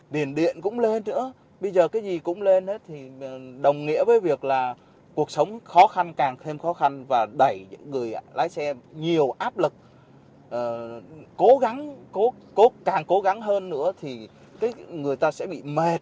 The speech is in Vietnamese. điện điện cũng lên nữa bây giờ cái gì cũng lên thì đồng nghĩa với việc là cuộc sống khó khăn càng thêm khó khăn và đẩy những người lái xe nhiều áp lực cố gắng càng cố gắng hơn nữa thì người ta sẽ bị mệt